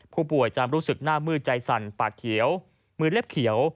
ผู้ป่วยจะรู้สึกหน้ามืดใจสั่นปากเขียวมือเล็บเขียว